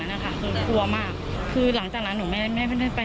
นะคะคือกลัวมากคือหลังจากนั้นหนูไม่ได้ไป